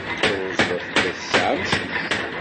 Ṛuza tella tesɛa amcic.